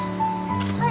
はい。